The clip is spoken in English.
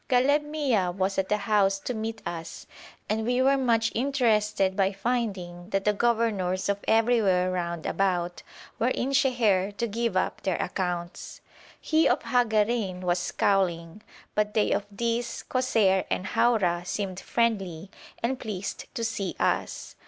Ghaleb Mia was at the house to meet us, and we were much interested by finding that the governors of everywhere round about were in Sheher to give up their accounts. He of Hagarein was scowling, but they of Dis, Kosseir, and Haura seemed friendly and pleased to see us.